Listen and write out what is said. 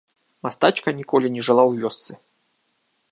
Мастачка ніколі не жыла ў вёсцы.